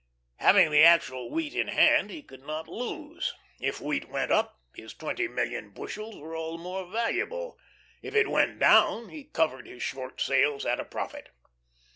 Having the actual wheat in hand he could not lose. If wheat went up, his twenty million bushels were all the more valuable; if it went down, he covered his short sales at a profit.